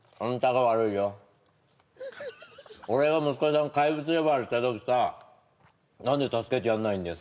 はい俺が息子さん怪物呼ばわりした時さ何で助けてやんないんだよ